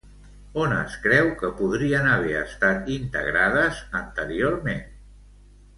On es creu que podrien haver estat integrades anteriorment?